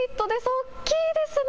大きいですね。